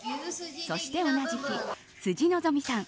そして同じ日、辻希美さん